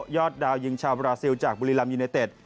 ยอดดาวยิงชาวบราซิลจากบุรีรัมยูเนเต็ด